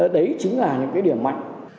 đấy chính là những cái điểm mạnh